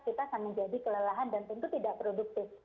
kita akan menjadi kelelahan dan tentu tidak produktif